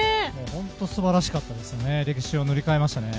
本当にすばらしかったですよね。